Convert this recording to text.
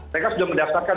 mereka sudah mendaftarkan